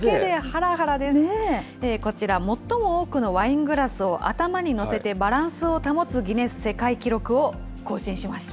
こちら、最も多くのワイングラスを頭に載せてバランスを保つギネス世界記録を更新しました。